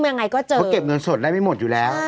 ยังไงก็เจอเพราะเก็บเงินสดได้ไม่หมดอยู่แล้ว